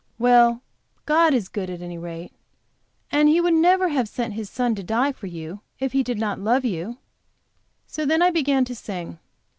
"Well, God is good, at any rate, and He would never have sent His Son to die for you if He did not love you." So then I began to sing.